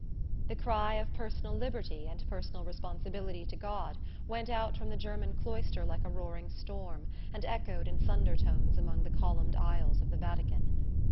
The cry of personal liberty and personal responsibility to God, went out from the German cloister like a roaring storm and echoed in thunder tones among the columned aisles of the Vatican.